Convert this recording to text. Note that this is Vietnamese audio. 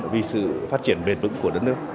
vì sự phát triển bền bững của đất nước